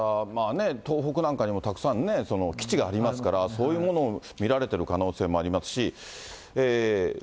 東北なんかにもたくさんね、基地がありますから、そういうものを見られてる可能性もありますし。